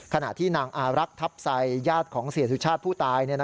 ขณะที่นางอารักษ์ทัพไซญาติของเสียสุชาติผู้ตาย